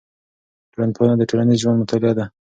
ټولنپوهنه د ټولنیز ژوند مطالعه ده.